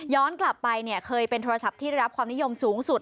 กลับไปเนี่ยเคยเป็นโทรศัพท์ที่ได้รับความนิยมสูงสุด